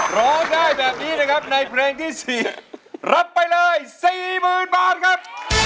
ร้องได้แบบนี้นะครับในเพลงที่๔รับไปเลย๔๐๐๐บาทครับ